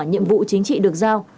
nhiệm vụ chính trị được giao